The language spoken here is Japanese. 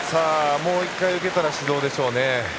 もう１回受けたら指導でしょうね。